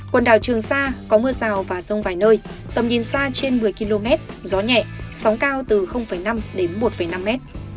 quần đảo trường sa có mưa rào và rông vài nơi tầm nhìn xa trên một mươi km gió nhẹ sóng cao từ năm đến một năm mét